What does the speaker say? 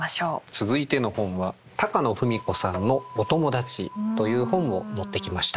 続いての本は高野文子さんの「おともだち」という本を持ってきました。